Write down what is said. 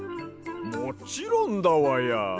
もちろんだわや！